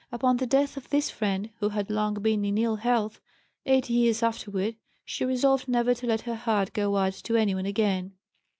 Upon the death of this friend, who had long been in ill health, eight years afterward, she resolved never to let her heart go out to anyone again.